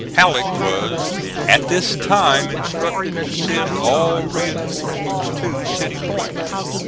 Halleck was at this time instructed to send all reinforcements to City Point.